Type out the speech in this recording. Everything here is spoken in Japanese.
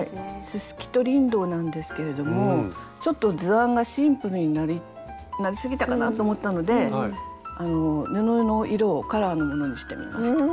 ススキとリンドウなんですけれどもちょっと図案がシンプルになりすぎたかなと思ったのであの布の色をカラーのものにしてみました。